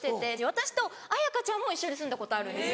私と彩香ちゃんも一緒に住んだことあるんです。